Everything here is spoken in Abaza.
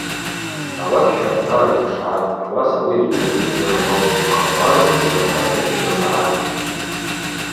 Ауат щардара йпшгӏатӏ, ауаса ауи зджьарагьи дгьырмаутӏ, лхабаргьи йырхӏвата йгьырмагӏатӏ.